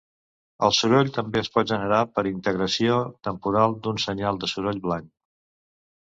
El soroll també es pot generar per integració temporal d'un senyal de soroll blanc.